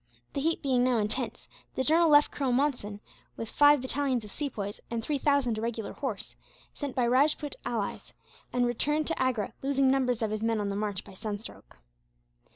The heat being now intense, the general left Colonel Monson, with five battalions of Sepoys and three thousand irregular horse, sent by Rajpoot allies, and returned to Agra, losing numbers of his men on the march, by sunstroke.